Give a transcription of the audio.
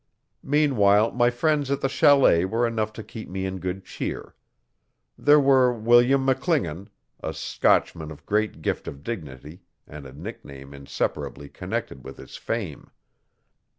Meanwhile my friends at the chalet were enough to keep me in good cheer. There were William McClingan, a Scotchman of a great gift of dignity and a nickname inseparably connected with his fame.